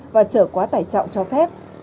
và trở quá tài trọng cho phép